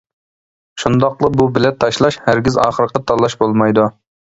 شۇنداقلا بۇ بىلەت تاشلاش ھەرگىز ئاخىرقى تاللاش بولمايدۇ.